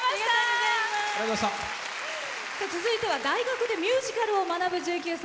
続いては大学でミュージカルを学ぶ１９歳。